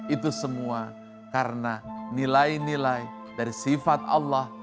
itu semua karena nilai nilai dari sifat allah